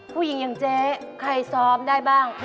ผู้หญิงอย่างเจ๊ใครซ้อมได้บ้าง